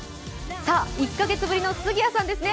さあ、１か月ぶりの杉谷さんですね。